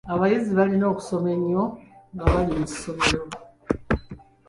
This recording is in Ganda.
Abayizi balina okusoma ennyo nga bali mu ssomero.